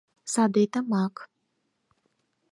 — Садетымак.